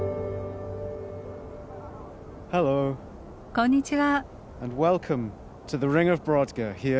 こんにちは。